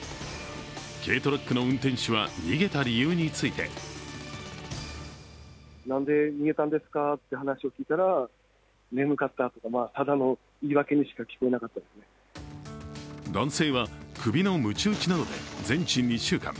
軽トラックの運転手は逃げた理由について男性は、首のむち打ちなどで全治２週間。